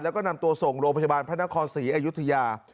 แล้วก็นำตัวส่งโรงพยาบาลพระนครศรีอยุธยา